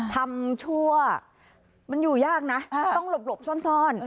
ทำชั่วมันอยู่ยากนะต้องหลบหลบซ่อนซ่อน